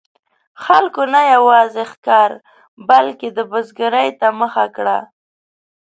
خلکو نه یوازې ښکار، بلکې د بزګرۍ ته مخه کړه.